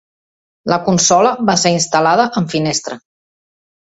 La consola va ser instal·lada en finestra.